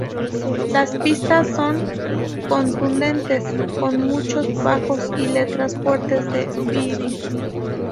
Las pistas son contundentes con muchos bajos y letras fuertes de Bibby.